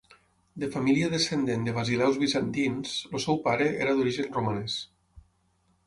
De família descendent de basileus bizantins, el seu pare era d'origen romanès.